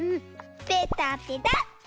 ペタペタ。